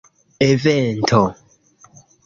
evento